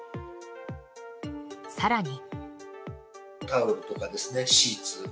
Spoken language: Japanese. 更に。